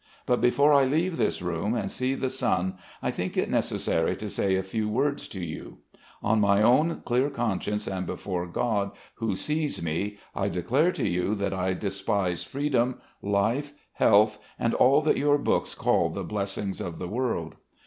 But before I leave this room and see the sun I think it necessary to say a few words to you. On my own clear conscience and before God who sees me I declare to you that I despise freedom, life, health, and all that your books call the blessings of the world.